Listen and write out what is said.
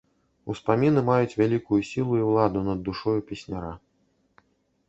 Успаміны маюць вялікую сілу і ўладу над душою песняра.